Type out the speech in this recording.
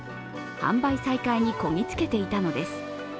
販売再開にこぎ着けていたのです。